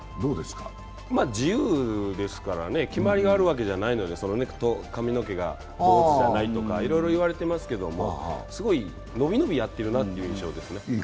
自由ですからね、決まりがあるわけじゃないので、髪の毛が坊主じゃないとかいろいろ言われてますけど、すごいのびのびやってるという印象ですね。